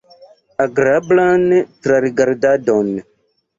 Agrablan trarigardadon!